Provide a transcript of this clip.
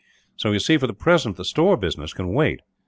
So you see, for the present the store business can wait.